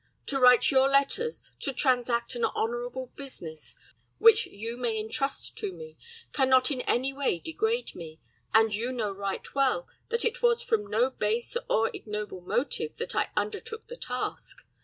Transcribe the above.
To write your letters, to transact any honorable business which you may intrust to me, can not in any way degrade me, and you know right well that it was from no base or ignoble motive that I undertook the task.